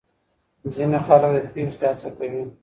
ځينې خلک د تېښتې هڅه کوي.